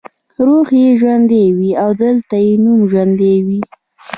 روح یې ژوندی وي او دلته یې نوم ژوندی وي.